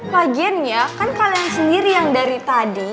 lagian ya kan kalian sendiri yang dari tadi